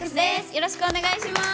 よろしくお願いします。